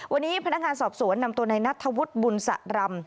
วันนี้พนักงานสอบสวนนำตัวในนัทธวุฒิบุญสรำ